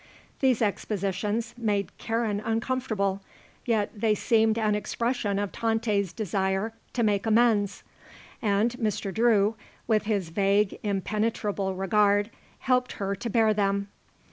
These expositions made Karen uncomfortable, yet they seemed an expression of Tante's desire to make amends. And Mr. Drew, with his vague, impenetrable regard, helped her to bear them.